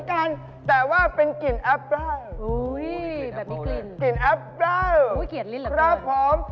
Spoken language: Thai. ครับผม